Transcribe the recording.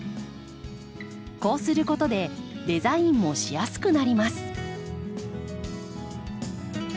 こうすることでデザインもしやすくなります。